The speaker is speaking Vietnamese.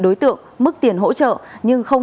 đối tượng mức tiền hỗ trợ nhưng không